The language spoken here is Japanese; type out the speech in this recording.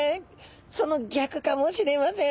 その逆かもしれません。